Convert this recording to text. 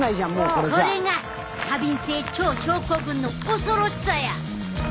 これが過敏性腸症候群の恐ろしさや！